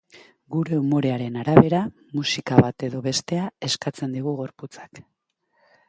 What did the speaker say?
Gure umorearen arabera, musika bat edo bestea eskatzen digu gorputzak.